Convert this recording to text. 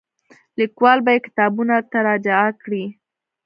لیکوال به یې کتابونو ته راجع کړي.